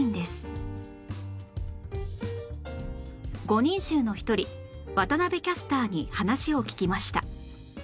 五人衆の一人渡辺キャスターに話を聞きました